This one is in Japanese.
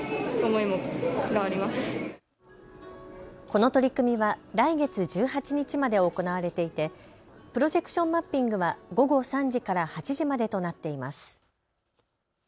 この取り組みは来月１８日まで行われていてプロジェクションマッピングは午後３時から８時までとなっています。